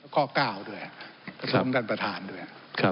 ข้อ๙ด้วยตรงด้านประธานด้วย